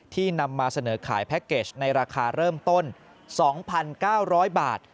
นำมาเสนอขายแพ็คเกจในราคาเริ่มต้น๒๙๐๐บาท